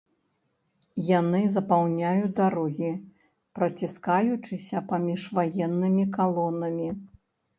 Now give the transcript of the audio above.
Яны запаўняюць дарогі, праціскаючыся паміж ваеннымі калонамі.